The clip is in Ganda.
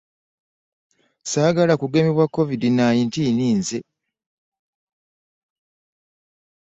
Saagala kugemebwa covid nineteen nze!